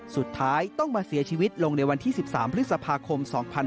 สุดท้ายต้องมาเสียชีวิตลงในวันที่๑๓พฤษภาคม๒๕๖๒